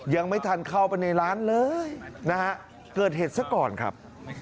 ยังไม่ทันเข้าไปในร้านเลยนะครับ